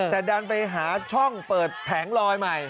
แต่ดันไปหาช่องเปิดแผงลอยใหม่